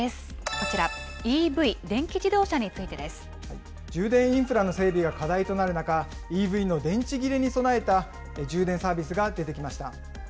こちら、ＥＶ・電気自動車につい充電インフラの整備が課題となる中、ＥＶの電池切れに備えた充電サービスが出てきました。